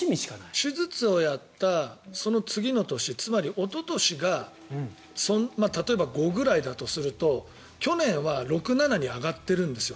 手術をやったその次の年つまり、おととしが例えば５ぐらいだとすると去年は６、７に上がっているんですよ。